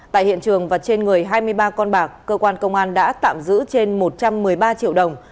tại hiện trường và trên người hai mươi ba con bạc cơ quan công an đã tạm giữ trên một trăm một mươi ba triệu đồng